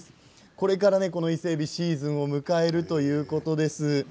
これから、この伊勢えびシーズンを迎えるということです。